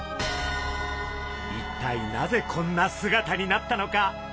一体なぜこんな姿になったのか？